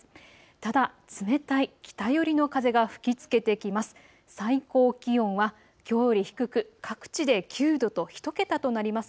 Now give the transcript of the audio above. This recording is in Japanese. ただ冷たい北寄りの風が吹きつけてきます。